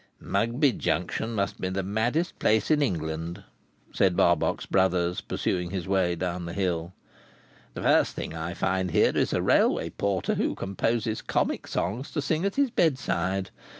"Mugby Junction must be the maddest place in England," said Barbox Brothers, pursuing his way down the hill. "The first thing I find here is a Railway Porter who composes comic songs to sing at his bedside.